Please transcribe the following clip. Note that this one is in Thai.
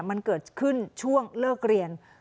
มันเกิดขึ้นช่วงเลิกเรียน